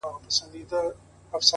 • لكه زركي هم طنازي هم ښايستې وې,